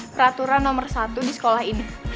peraturan nomor satu di sekolah ini